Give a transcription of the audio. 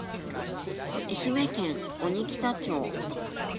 愛媛県鬼北町